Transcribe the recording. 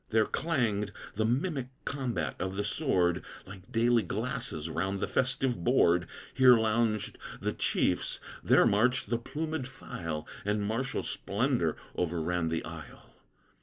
There clanged the mimic combat of the sword, Like daily glasses round the festive board; Here lounged the chiefs, there marched the plumèd file, And martial splendor over ran the isle.